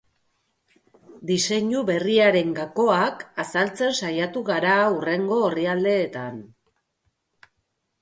Diseinu berriaren gakoak azaltzen saiatu gara hurrengo orrialdeetan.